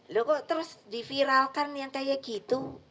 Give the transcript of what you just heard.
loh kok terus diviralkan yang kayak gitu